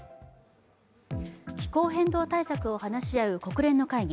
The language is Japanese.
気候変動対策を話し合う国連の会議